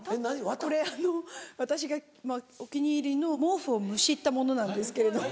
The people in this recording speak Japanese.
これ私がお気に入りの毛布をむしったものなんですけれども。